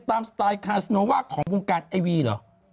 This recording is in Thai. สไตล์คาสโนว่าของวงการไอวีเหรอ